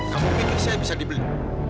kamu pikir saya bisa dibeli